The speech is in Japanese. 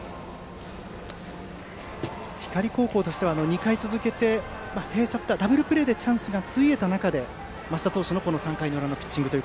光高校としては２回続けて併殺打ダブルプレーでチャンスがついえた中で升田投手の３回の裏のピッチング。